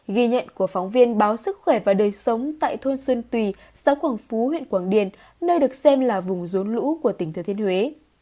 ghi nhận của phóng viên báo sức khỏe và đời sống tại thôn xuân tùy xã quảng phú huyện quảng điền nơi được xem là vùng rốn lũ của tỉnh thừa thiên huế